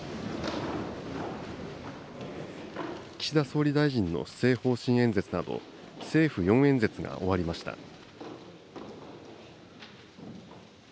岸田総理大臣の施政方針演説など、政府４演説が終わりました。